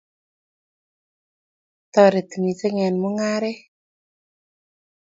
toreti missing eng mungaret